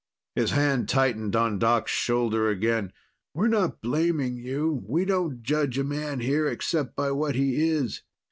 His hand tightened on Doc's shoulder again. "We're not blaming you. We don't judge a man here except by what he is.